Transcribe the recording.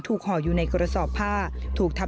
ถูกห่ออยู่ในกรสอบผ้า